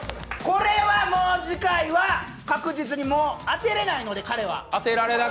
これはもう、次回は確実に当てれないので、彼は。